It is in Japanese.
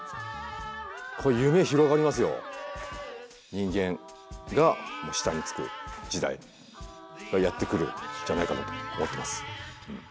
人間がもう下につく時代がやって来るんじゃないかなと思っています。